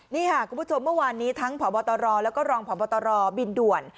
นี่ค่ะคุณผู้ชมเมื่อวานนี้ทั้งพบตรแล้วก็รองพบตรบินด่วน